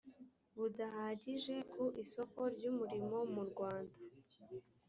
budahagije ku isoko ry umurimo mu rwanda